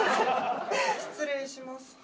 失礼します。